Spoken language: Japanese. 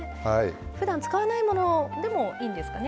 ふだん使わないものでもいいんですかね。